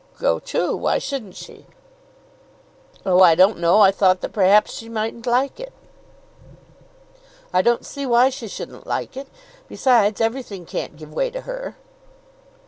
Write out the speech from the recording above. "Go too why shouldn't she?" "Oh; I didn't know. I thought that perhaps she mightn't like it." "I don't see why she shouldn't like it. Besides, everything can't give way to her."